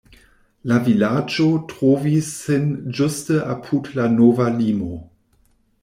La vilaĝo trovis sin ĝuste apud la nova limo.